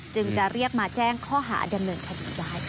จึงจะเรียกมาแจ้งข้อหาดำเนินคดีได้ค่ะ